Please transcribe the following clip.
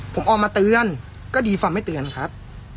ผมออกมาเตือนก็ดีฟังไม่เตือนครับ